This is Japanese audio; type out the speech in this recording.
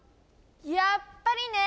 やっぱりね！